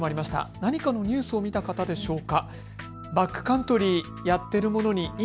何かのニュースを見た方でしょうか。